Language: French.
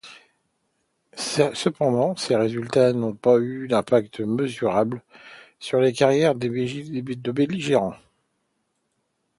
Cependant, ces résultats n'ont pas eu d'impact mesurable sur les carrières de belligérants.